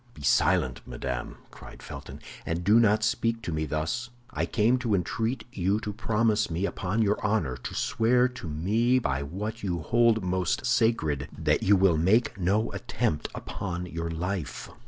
"Be silent, madame," cried Felton, "and do not speak to me thus; I came to entreat you to promise me upon your honor, to swear to me by what you hold most sacred, that you will make no attempt upon your life."